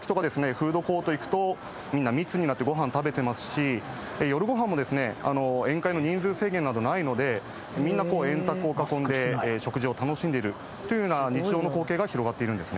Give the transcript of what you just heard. フードコート行くとみんな密になってごはん食べてますし夜ごはんもですね宴会の人数制限などないのでみんな円卓を囲んで食事を楽しんでいるというふうな日常の光景が広がっているんですね。